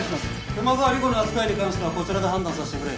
熊沢理子の扱いに関してはこちらで判断させてくれ。